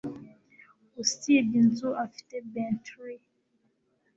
Usibye inzu afite Bentley